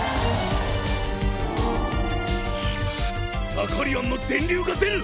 ザカリアンの電流が出る！